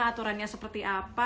aturannya seperti apa